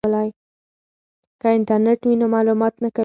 که انټرنیټ وي نو معلومات نه کمیږي.